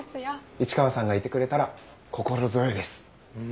市川さんがいてくれたら心強いです。